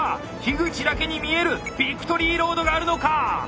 口だけに見えるビクトリーロードがあるのか！